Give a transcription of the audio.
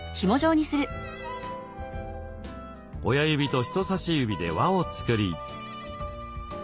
親指と人さし指で輪を作り。